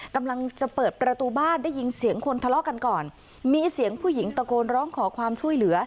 กำลังจะเปิดประตูบ้านได้ยินเสียงคนทะเลาะกันก่อนมีเสียงผู้หญิงตะโกนร้องขอความช่วยเหลือ